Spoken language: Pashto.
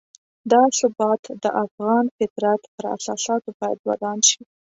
دا ثبات د افغان فطرت پر اساساتو باید ودان شي.